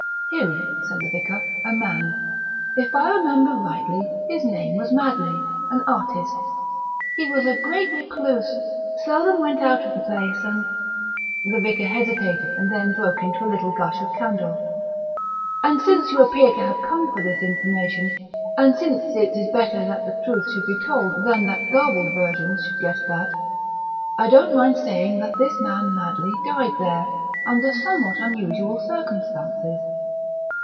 "Him," said the vicar. "A man. If I remember rightly, his name was Madley; an artist. He was a great recluse; seldom went out of the place, and " the vicar hesitated and then broke into a little gush of candour " and since you appear to have come for this information, and since it is better that the truth should be told than that garbled versions should get about, I don't mind saying that this man Madley died there, under somewhat unusual circumstances.